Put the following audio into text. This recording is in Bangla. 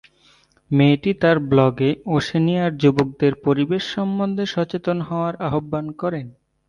মেয়েটি তার ব্লগে ওশেনিয়ার যুবকদের পরিবেশ সম্বন্ধে সচেতন হওয়ার আহ্বান করেন।